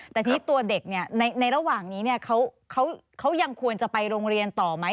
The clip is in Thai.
แต่ทีนี้ตัวเด็กในระหว่างนี้เขายังควรจะไปโรงเรียนต่อไหม